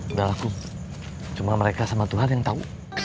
udah laku cuma mereka sama tuhan yang tahu